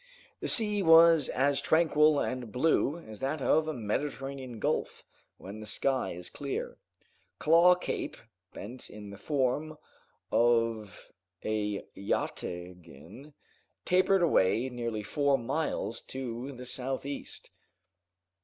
The sea was as tranquil and blue as that of a Mediterranean gulf, when the sky is clear. Claw Cape, bent in the form of a yataghan, tapered away nearly four miles to the southeast.